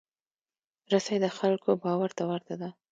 رسۍ د خلکو باور ته ورته ده.